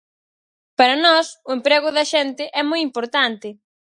Para nós, o emprego da xente é moi importante.